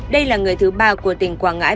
đây là người thứ ba của tỉnh quảng ngãi